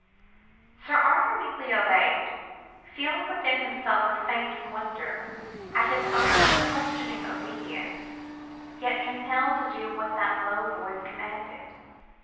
Sir Arthur meekly obeyed, feeling within himself a faint wonder, at his own unquestioning obedience, yet compelled to do what that low voice commanded.